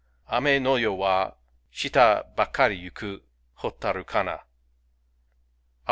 Ame no yo wa, Shita bakari yuku Hotaru kana! Ah!